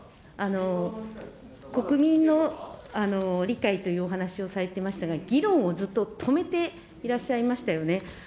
国民の理解というお話をされてましたが、議論をずっと止めていらっしゃいましたよね。